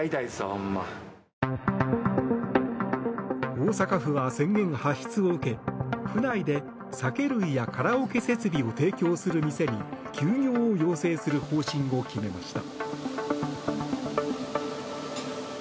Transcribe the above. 大阪府は宣言発出を受け府内で、酒類やカラオケ設備を提供する店に休業を要請する方針を決めました。